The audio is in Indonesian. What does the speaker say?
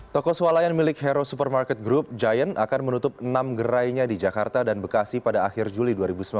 toko swalayan milik hero supermarket group giant akan menutup enam gerainya di jakarta dan bekasi pada akhir juli dua ribu sembilan belas